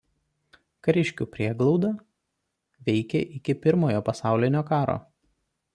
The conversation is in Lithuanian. Kariškių prieglauda veikė iki Pirmojo pasaulinio karo.